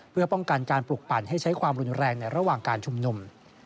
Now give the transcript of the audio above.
เพื่อป้องกันการปลุกปั่นให้ใช้ความรุนแรงในระหว่างการชุมนุม